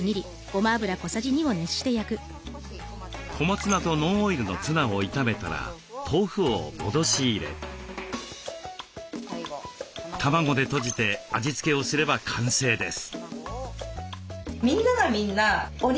小松菜とノンオイルのツナを炒めたら豆腐を戻し入れ卵でとじて味付けをすれば完成です。